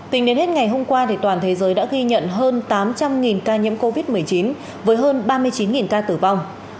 tính đến hết ngày hôm qua toàn thế giới đã ghi nhận hơn tám trăm linh ca nhiễm covid một mươi chín với hơn ba mươi chín ca tử vong